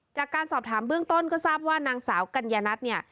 จากการสอบถามเบื้องต้นก็ทราบว่านางสาวกัญญานัทเนี่ย